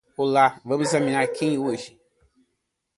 Olá, vamos examinar quem hoje?